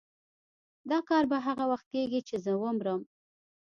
دا کار به هغه وخت کېږي چې زه ومرم.